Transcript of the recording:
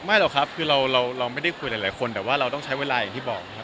หรอกครับคือเราไม่ได้คุยหลายคนแต่ว่าเราต้องใช้เวลาอย่างที่บอกนะครับ